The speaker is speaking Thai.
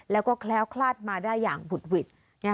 แล้วก็แคล้วคลาดมาได้อย่างบุดหวิด